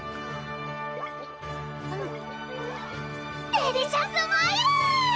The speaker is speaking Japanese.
デリシャスマイル！